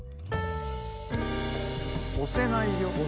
「おせないよ」。